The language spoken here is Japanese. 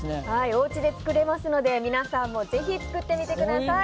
おうちで作れますので皆さんもぜひ作ってみてください。